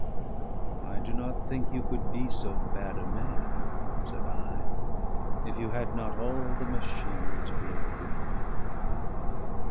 "I do not think you could be so bad a man," said I, "if you had not all the machinery to be a good one."